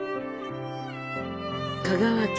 香川県